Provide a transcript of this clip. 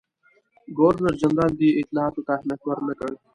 ګورنرجنرال دې اطلاعاتو ته اهمیت ورنه کړ.